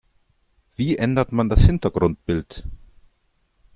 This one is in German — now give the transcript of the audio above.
Wie ändert man das Hintergrundbild?